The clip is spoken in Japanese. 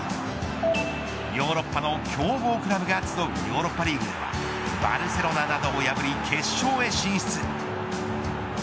ヨーロッパの強豪クラブが集うヨーロッパリーグではバルセロナのなどを破り決勝へ進出。